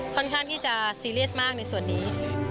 ค่อนข้างที่จะซีเรียสมากในส่วนนี้